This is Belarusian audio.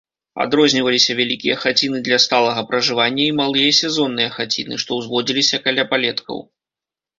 Адрозніваліся вялікія хаціны для сталага пражывання і малыя сезонныя хаціны, што ўзводзіліся каля палеткаў.